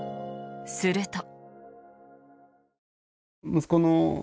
すると。